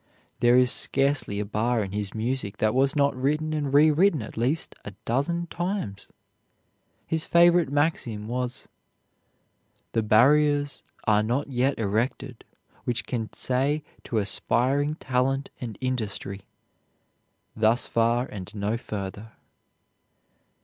There is scarcely a bar in his music that was not written and rewritten at least a dozen times. His favorite maxim was, "The barriers are not yet erected which can say to aspiring talent and industry 'thus far and no further.'"